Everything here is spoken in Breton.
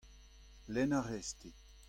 lenn a rez-te.